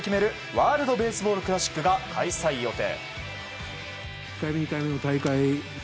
ワールド・ベースボール・クラシックが開催予定。